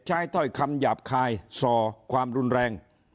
ถ้อยคำหยาบคายส่อความรุนแรง